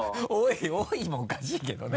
「おい！」もおかしいけどね。